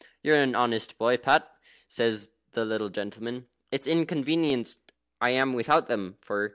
"You're an honest boy, Pat," says the little gentleman. "It's inconvenienced I am without them, for.